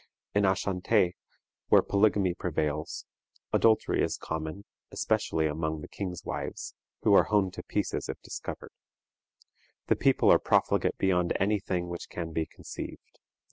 In Ashantee, where also polygamy prevails, adultery is common, especially among the king's wives, who are hewn to pieces if discovered. The people are profligate beyond any thing which can be conceived.